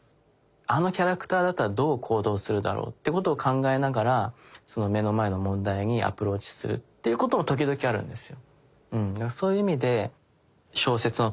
あのキャラクターだったらどう行動するだろうということを考えながら目の前の問題にアプローチするっていうことも時々あるんですよ。